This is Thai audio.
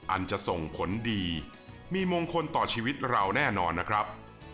อาจจะส่งผลดีมีมงคลต่อชีวิตเราแน่นอนนะครับ